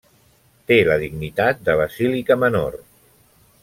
Té la dignitat de basílica menor.